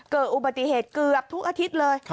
เกิดอุบัติเหตุเกือบทุกอาทิตย์เลย